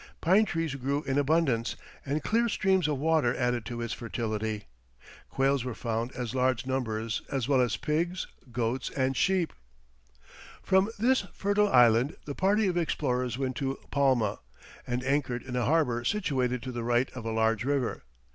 Pine trees grew in abundance, and clear streams of water added to its fertility. Quails were found in large numbers, as well as pigs, goats, and sheep. From this fertile island the party of explorers went to Palma, and anchored in a harbour situated to the right of a large river.